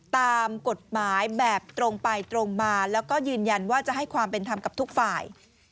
ตามกฎหมายแบบตรงไปตรงมาแล้วก็ยืนยันว่าจะให้ความเป็นธรรมกับทุกฝ่าย